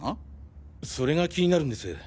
それが気になるんです。